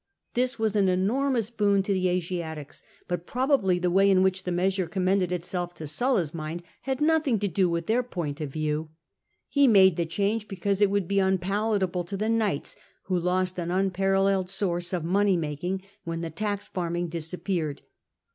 This was an enormous boon to the Asiatics ; but probably the way in which the measure commended itself to Sulla's mind had nothing to do with their point of view. He made the change because it would be unpalatable to the knights, who lost an unparalleled source of money mak ing when the tax farming disappeared.